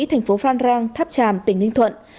thành phố phan rang tháp tràm tỉnh ninh thuận